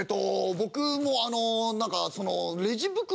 僕もあのなんかその。